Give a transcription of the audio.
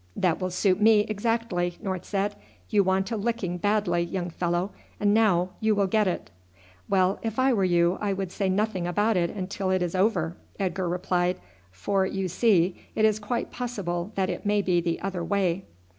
"That will suit me exactly," North said. "You want a licking badly, young fellow, and now you will get it." "Well, if I were you I would say nothing about it until it is over," Edgar replied; "for, you see, it is quite possible that it may be the other way."